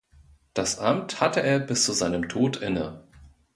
Das Amt hatte er bis zu seinem Tod inne.